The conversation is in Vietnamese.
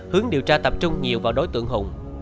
hướng điều tra tập trung nhiều vào đối tượng hùng